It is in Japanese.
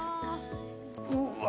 うわ！